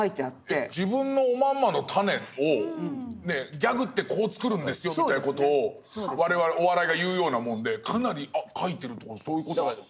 えっ自分のおまんまのたねをギャグってこう作るんですよみたいな事を我々お笑いが言うようなもんでかなり描いてるって事そういう事なんですか。